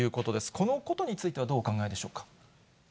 このことについてはどうお考えでしょうか。